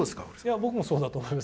僕もそうだと思います。